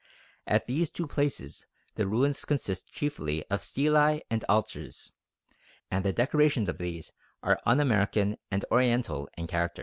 At these two places the ruins consist chiefly of stelae and altars, and the decorations of these are un American and Oriental in character.